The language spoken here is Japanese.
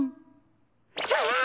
ああ！